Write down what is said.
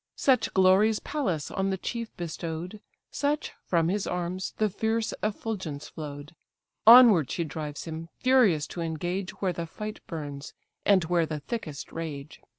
Such glories Pallas on the chief bestow'd, Such, from his arms, the fierce effulgence flow'd: Onward she drives him, furious to engage, Where the fight burns, and where the thickest rage.